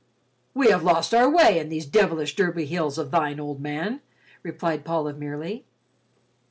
"We have lost our way in these devilish Derby hills of thine, old man," replied Paul of Merely.